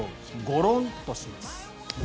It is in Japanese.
ゴロンとします。